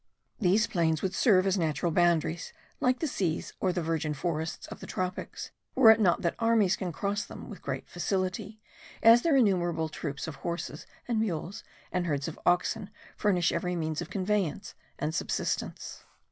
These plains would serve as natural boundaries like the seas or the virgin forests of the tropics, were it not that armies can cross them with greater facility, as their innumerable troops of horses and mules and herds of oxen furnish every means of conveyance and subsistence.